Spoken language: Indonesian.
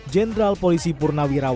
jenderal polisi purnawiland